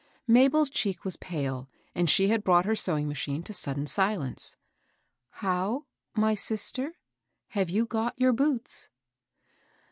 Mabel's cheek was pale, and she had brought her sewing machine to sudden silence. " How, my sister, have you got your boots